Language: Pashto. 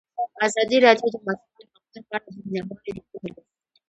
ازادي راډیو د د ماشومانو حقونه په اړه د مینه والو لیکونه لوستي.